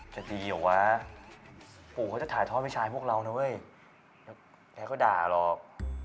จะดีเหรอวะปู่เขาจะถ่ายทอดวิชาพวกเรานะเว้ยแล้วแกก็ด่าหรอก